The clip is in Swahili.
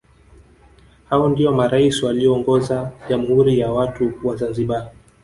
Hao ndio marais walioongoza Jamhuri ya watu wa Zanzibar